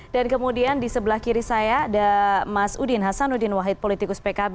dan kemudian di sebelah kiri saya ada mas udin hasan udin wahid politikus pkb